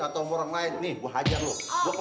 atau sama orang lain nih gue hajar lu